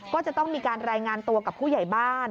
ก็จะต้องมีการรายงานตัวกับผู้ใหญ่บ้าน